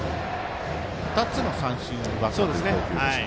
２つの三振を奪った投球でした。